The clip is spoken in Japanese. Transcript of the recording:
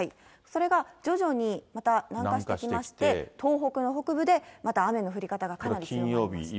それが徐々にまた南下してきまして、東北の北部でまた雨の降り方がかなり強まります。